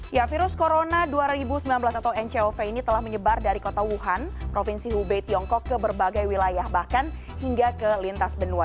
ya virus corona dua ribu sembilan belas atau ncov ini telah menyebar dari kota wuhan provinsi hubei tiongkok ke berbagai wilayah bahkan hingga ke lintas benua